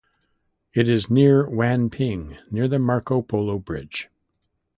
It is near Wanping, near the Marco Polo Bridge.